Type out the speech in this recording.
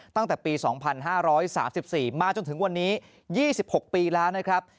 ตั้งแต่ปี๒๕๓๔มาจนถึงวันนี้๒๖ปีแล้วนะครับ